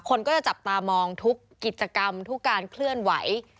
คนก็จะจับตามองทุกกิจกรรมทุกการเคลื่อนไหว